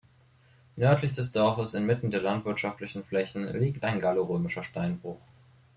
Nördlich des Dorfes, inmitten der landwirtschaftlichen Flächen, liegt ein gallo-römischer Steinbruch.